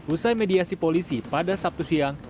usai mediasi polisi pada sabtu siang